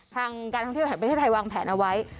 ทางการท่องเที่ยวแผนไปที่ไทยวางแพนเอาไว้